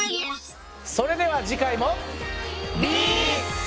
それでは次回も。